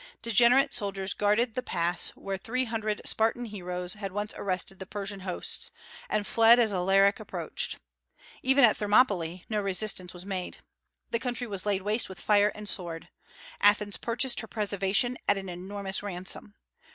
Degenerate soldiers guarded the pass where three hundred Spartan heroes had once arrested the Persian hosts, and fled as Alaric approached. Even at Thermopylae no resistance was made. The country was laid waste with fire and sword. Athens purchased her preservation at an enormous ransom.